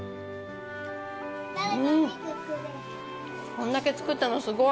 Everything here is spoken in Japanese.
これだけ作ったのすごい。